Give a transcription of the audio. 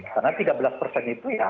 karena tiga belas persen itu ya